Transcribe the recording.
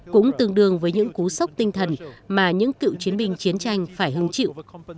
cũng tương đương với những cú sốc tinh thần mà những cựu chiến binh chiến tranh phải hứng chịu